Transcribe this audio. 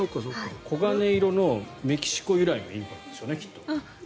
コガネイロのメキシコ由来のインコなんでしょうね。